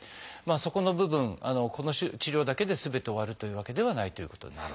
そこの部分この治療だけですべて終わるというわけではないということです。